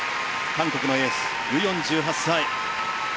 韓国のエースユ・ヨン、１８歳。